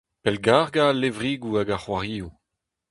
Pellgargañ al levrigoù hag ar c'hoarioù.